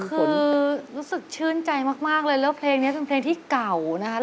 คือรู้สึกชื่นใจมากเลยแล้วเพลงนี้เป็นเพลงที่เก่านะครับ